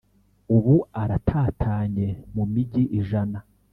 ubu aratatanye mu mijyi ijana